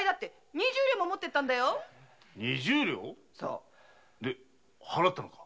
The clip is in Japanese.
二十両⁉で払ったのか？